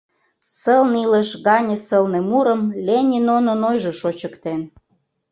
Сылне илыш гане сылне мурым Ленин онын ойжо шочыктен.